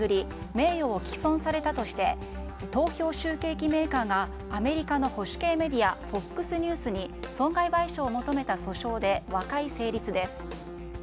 名誉を棄損されたとして投票集計機メーカーがアメリカの保守系メディアＦＯＸニュースに損害賠償を求めた訴訟で和解成立です。